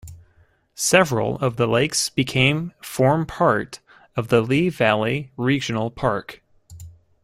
Several of the lakes became form part of the Lee Valley Regional Park.